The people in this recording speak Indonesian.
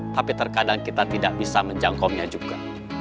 tapi terkadang kita tidak bisa menjangkau nya juga